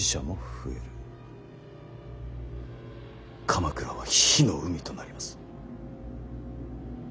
鎌倉は火の海となります。